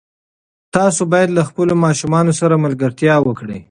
تاسو باید له خپلو ماشومانو سره ملګرتیا وکړئ.